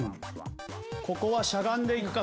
ここはしゃがんでいくか？